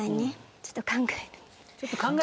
「ちょっと考える」